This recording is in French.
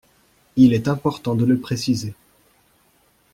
Il est important de le préciser.